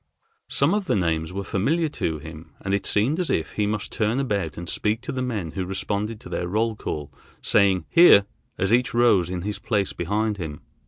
Some of the names were familiar to him, and it seemed as if he must turn about and speak to the men who responded to their roll call, saying "here" as each rose in his place behind him.